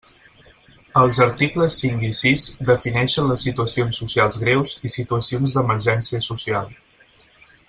Els articles cinc i sis defineixen les situacions socials greus i situacions d'emergència social.